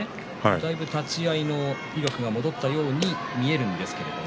だいぶ立ち合いの威力が戻ったように見えるんですけども。